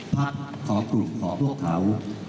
ภาพของกลุ่มของพวกเขา